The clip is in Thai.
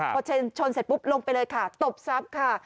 พอชนเสร็จปุ๊บลงไปเลยค่ะตบทรัพย์ค่ะ